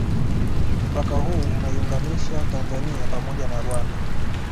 Mpaka huu unaiunganisha Tanzania pamoja na Rwanda